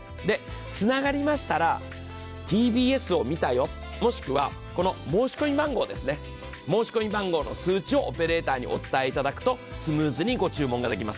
つながりましたらＴＢＳを見たよ、もしくはこの申し込み番号の数値をオペレーターにお伝えいただくと、スムーズにご注文ができます。